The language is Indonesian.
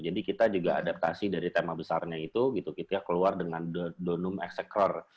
jadi kita juga adaptasi dari tema besarnya itu gitu kita keluar dengan donum execra